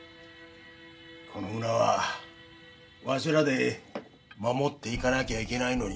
この村はわしらで守っていかなきゃいけないのに。